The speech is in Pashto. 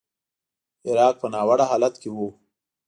عراق په ناوړه حالت کې و.